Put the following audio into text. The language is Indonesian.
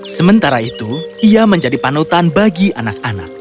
sementara itu ia menjadi panutan bagi anak anak